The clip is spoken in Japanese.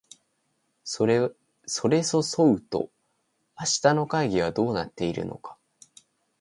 それそそうと明日の会議はどうなっているのか